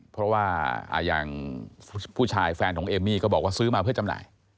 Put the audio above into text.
เพราะว่าอย่างผู้ชายแฟนของเอมมี่ก็บอกว่าซื้อมาเพื่อจำหน่าย